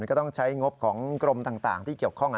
ก็ต้องใช้งบของกรมต่างที่เกี่ยวข้อง